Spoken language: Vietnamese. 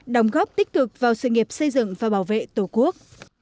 đóng góp tích cực vào sự nghiệp xây dựng và bảo vệ tổ quốc